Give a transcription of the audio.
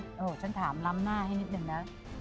โอ้โหฉันถามล้ำหน้าให้นิดหนึ่งนะ